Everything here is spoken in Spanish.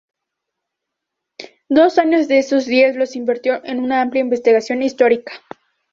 Dos años de esos diez los invirtió en una amplia investigación histórica.